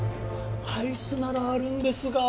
アイスならあるんですが。